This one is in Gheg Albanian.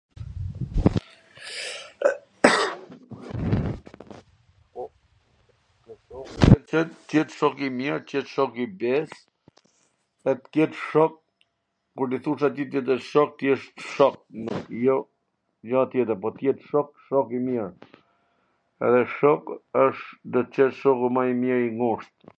t jet shok i mir, t jet shok i bes, t jet shok kur do i thush atit shok, t jet shok, jo tjetwr, po t jet shok shok i mir, edhe shok wsht, do t jet shoku ma i mir i ngusht